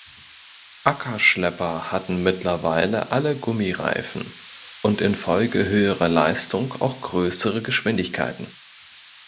Ackerschlepper hatten mittlerweile alle Gummireifen und infolge höherer Leistung auch größere Geschwindigkeiten.